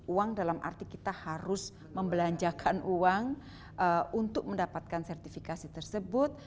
uang dalam arti kita harus membelanjakan uang untuk mendapatkan sertifikasi tersebut